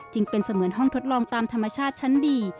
จึงเป็นเสมือนห้องทดลองตามธรรมชาติชั้นดี